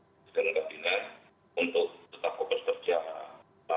sekarang kabinet untuk tetap fokus kerja